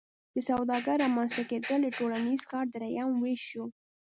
د سوداګر رامنځته کیدل د ټولنیز کار دریم ویش شو.